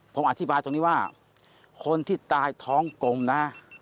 ผมอธิบายตรงนี้ว่าคนที่ตายท้องกลมนะ